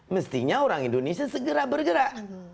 mestinya orang indonesia segera bergerak